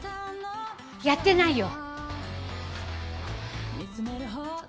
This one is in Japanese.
やってないよ！